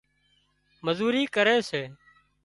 مزوري ڪري سي